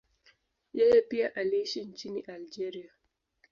Yeye pia aliishi nchini Algeria.